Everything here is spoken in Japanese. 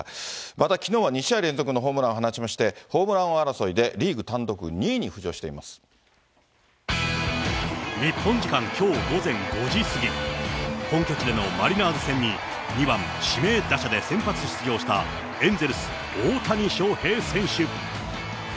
またきのうは２試合連続のホームランを放ちまして、ホームラン争いでリーグ単独２位に浮上してい日本時間きょう午前５時過ぎ、本拠地でのマリナーズ戦に２番指名打者で先発出場したエンゼルス、大谷翔平選手。